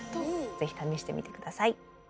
ぜひ試してみて下さい。